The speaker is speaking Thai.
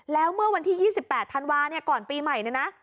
แล้วเมื่อวันที่๒๘ธันวาเนี่ยก่อนปีใหม่เนี่ยนะ